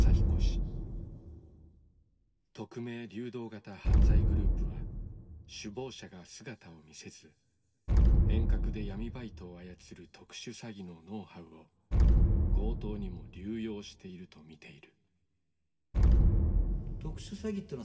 匿名・流動型犯罪グループは首謀者が姿を見せず遠隔で闇バイトを操る特殊詐欺のノウハウを強盗にも流用していると見ている。